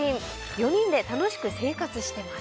４人で楽しく生活しています。